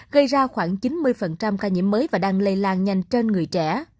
gây ra khoảng chín mươi ca nhiễm mới và đang lây lan nhanh trên người trẻ